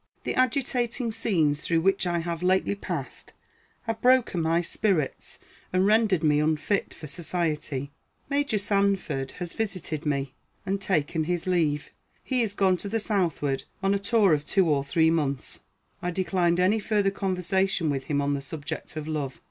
The agitating scenes through which I have lately passed have broken my spirits, and rendered me unfit for society. Major Sanford has visited me, and taken his leave. He is gone to the southward on a tour of two or three months. I declined any further conversation with him on the subject of love.